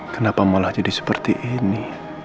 kenapa malah jadi seperti ini